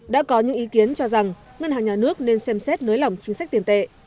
đã có những ý kiến cho rằng ngân hàng nhà nước nên xem xét nới lỏng chính sách tiền tệ